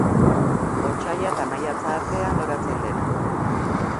Otsaila eta maiatza artean loratzen dena.